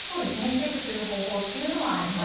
チェックする方法っていうのはあります。